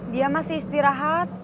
dia masih istirahat